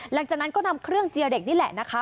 หลังจากนั้นก็นำเครื่องเจียเด็กนี่แหละนะคะ